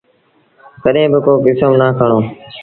ڪڏهيݩ با ڪو ڪسم نا کڻو۔